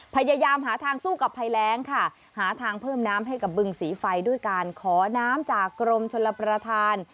พยายามหาทางสู้กับภัยแรงค่ะหาทางเพิ่มน้ำให้กับบึงสีไฟด้วยการขอน้ำจากกรมชลประธาน